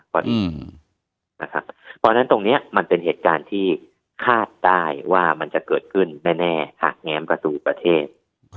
เพราะฉะนั้นตรงนี้มันเป็นเหตุการณ์ที่คาดได้ว่ามันจะเกิดขึ้นแน่หากแง้มประตูประเทศ